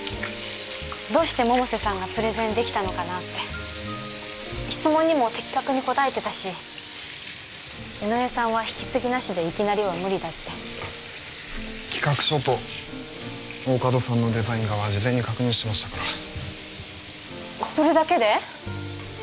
どうして百瀬さんがプレゼンできたのかなって質問にも的確に答えてたし井上さんは「引き継ぎなしでいきなりは無理だ」って企画書と大加戸さんのデザイン画は事前に確認してましたからそれだけで！？